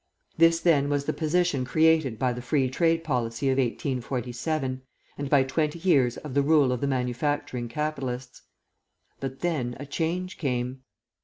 "This, then, was the position created by the Free Trade policy of 1847, and by twenty years of the rule of the manufacturing capitalists. But, then, a change came.